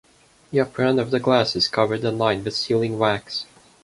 The upper end of the glass is covered and lined with sealing-wax.